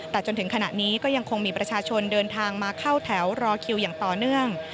แต่จนถึงขณะนี้ก็ยังคงมีประชาชนเดินทางมาเข้าแถวรอคิวอย่างต่อเนื่อง